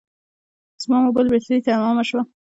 زما موبایل بټري تمامه شوه